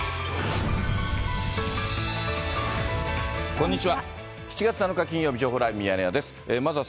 こんにちは。